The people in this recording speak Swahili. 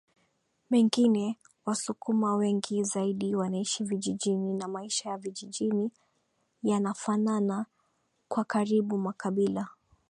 mengine wasukuma wengi zaidi wanaishi vijijini na maisha ya vijijini yanafanana kwa karibu makabila